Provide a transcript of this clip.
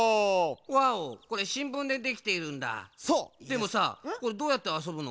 でもさこれどうやってあそぶの？